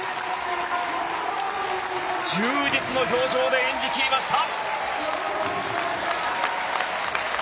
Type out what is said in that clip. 充実の表情で演じ切りました。